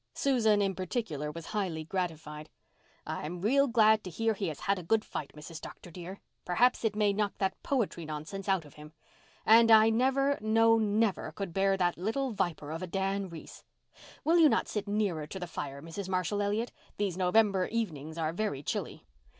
Susan in particular was highly gratified. "I am real glad to hear he has had a good fight, Mrs. Dr. dear. Perhaps it may knock that poetry nonsense out of him. And I never, no, never could bear that little viper of a Dan Reese. Will you not sit nearer to the fire, Mrs. Marshall Elliott? These November evenings are very chilly."